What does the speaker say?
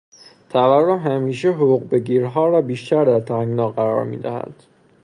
تورم همیشه حقوقبگیرها را بیشتر در تنگنا قرار میدهد.